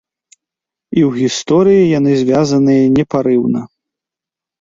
І ў гісторыі яны звязаныя непарыўна.